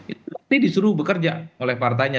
itu pasti disuruh bekerja oleh partainya